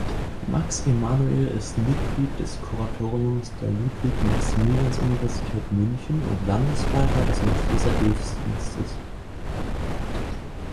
Max Emanuel ist Mitglied des Kuratoriums der Ludwig-Maximilians-Universität München und Landesbeirat des Malteser Hilfsdienstes.